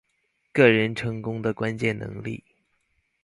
個人成功的關鍵能力